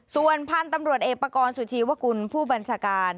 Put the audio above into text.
ส่วนพันธุ์ตำรวจเอกปากรสุชีวกุลผู้บัญชาการ